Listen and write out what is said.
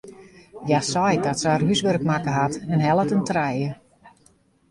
Hja seit dat se har húswurk makke hat en hellet in trije.